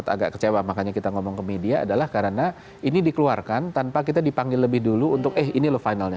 kita kemarin agak kecewa mengapa kita berbicara ke media adalah karena ini dikeluarkan tanpa kita dipanggil lebih dulu untuk eh ini finalnya